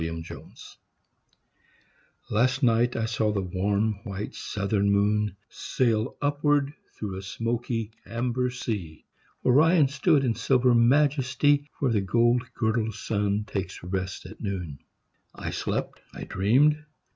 THE DECREE Last night I saw the warm white Southern moon Sail upward through a smoky amber sea; Orion stood in silver majesty Where the gold girdled sun takes rest at noon. I slept; I dreamed.